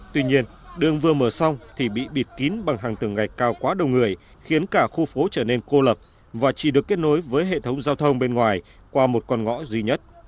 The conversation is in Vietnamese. tuy nhiên đường vừa mở xong thì bị bịt kín bằng hàng từng ngày cao quá đông người khiến cả khu phố trở nên cô lập và chỉ được kết nối với hệ thống giao thông bên ngoài qua một con ngõ duy nhất